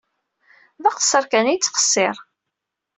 D aqeṣṣer kan i yettqeṣṣir.